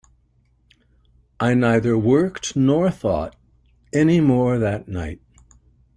I neither worked nor thought any more that night.